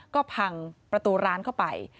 ก็พังประตูร้านเข้าไป